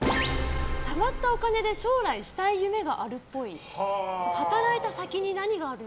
たまったお金で将来したい夢があるっぽい。